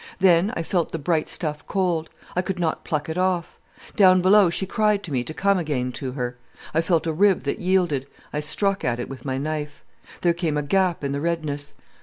Then I felt the bright stuff cold. I could not pluck it off. Down below she cried to me to come again to her. I felt a rib that yielded, I struck at it with my knife. There came a gap in the redness.